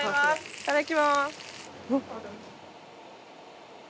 いただきます。